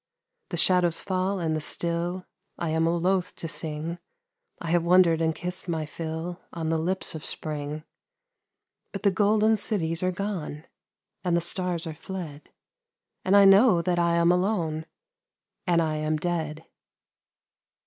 The shadows fall and the still, I am loath to sing, I have wondered and kissed my fill On the lips of spring. But the golden cities are gone And the stars are fled, And I know that I am alone, And 1 am dead.